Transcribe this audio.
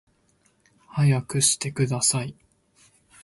速くしてください